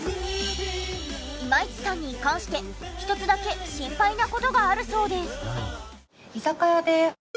今市さんに関して１つだけ心配な事があるそうで。